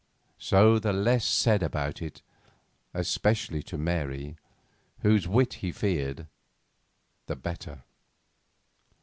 So the less said about it, especially to Mary, whose wit he feared, the better.